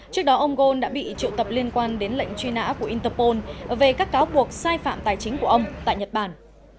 trước đó ông ghosn đã bị triệu tập liên quan đến lệnh truy nã của interpol về các cáo buộc sai phạm tài chính của ông tại nhật bản